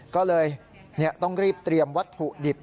ก็เลยต้องรีบเตรียมวัตถุดิบ